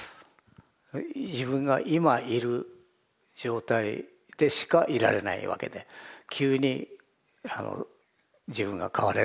自分が今いる状態でしかいられないわけで急に自分が変われるかっていうとそうではないですね。